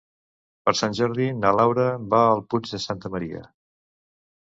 Per Sant Jordi na Laura va al Puig de Santa Maria.